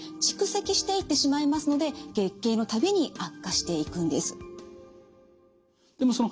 蓄積していってしまいますので月経のたびに悪化していくんです。